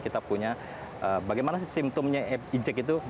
kita punya bagaimana sih simptomnya ejek itu